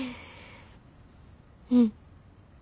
うん。